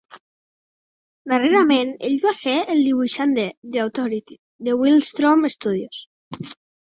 Darrerament ell va ser el dibuixant de "The Authority" de Wildstorm Studios.